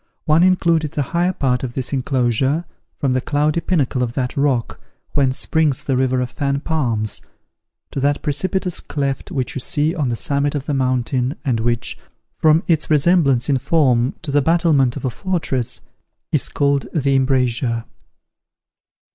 One included the higher part of this enclosure, from the cloudy pinnacle of that rock, whence springs the river of Fan Palms, to that precipitous cleft which you see on the summit of the mountain, and which, from its resemblance in form to the battlement of a fortress, is called the Embrasure.